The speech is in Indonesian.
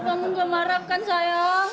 kamu gak marah kan sayang